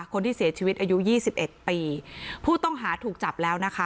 คนที่เสียชีวิตอายุยี่สิบเอ็ดปีผู้ต้องหาถูกจับแล้วนะคะ